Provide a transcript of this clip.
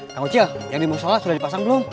kang ucil yang dimaksudnya sudah dipasang belum